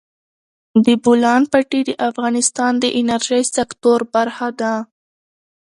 د بولان پټي د افغانستان د انرژۍ سکتور برخه ده.